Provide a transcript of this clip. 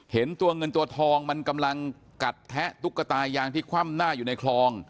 เห็นตัวเงินตัวทองมันกำลังกัดแทะตุ๊กตายางที่คว่ำหน้าอยู่ในคลอง